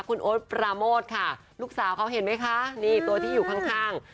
คุณโอ๊ตปราโมทค่ะลูกสาวเขาเห็นไหมคะนี่ตัวที่อยู่ข้าง